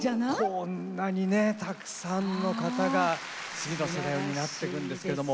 こんなにねたくさんの方が次の世代を担ってくんですけども。